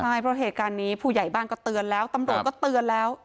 ใช่เพราะเหตุการณ์นี้ผู้ใหญ่บ้านก็เตือนแล้วตำรวจก็เตือนแล้ว